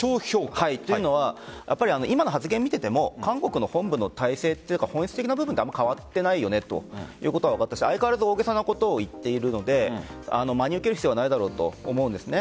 というのは今の発言を見ていても韓国の本部の体制というか本質的な部分はあまり変わってないねということが分かったし相変わらず大げさなことを言っているので真に受けることはないと思うんです。